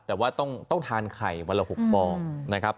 แต่ว่าต้องทานไข่วันละ๖ฟองนะครับ